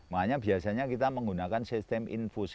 makanya biasanya kita menggunakan sistem infus